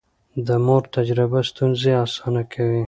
د مور تجربه ستونزې اسانه کوي.